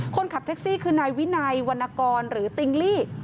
คนขับแท็กซี่คือนายวินัยวรรณกรหรือติ๊งลี่